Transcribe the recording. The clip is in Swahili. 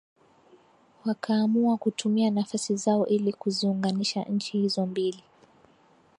Wakaamua kutumia nafasi zao ili kuziunganisha nchi hizo mbili